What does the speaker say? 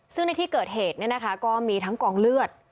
ซึ่งในที่เกิดเหตุก็มีทั้งกองเลือด